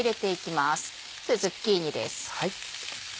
まずズッキーニです。